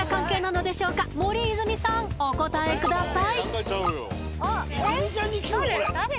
お答えくださいあえ誰？